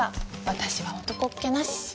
私は男っ気なし。